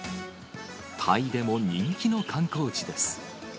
タイでも人気の観光地です。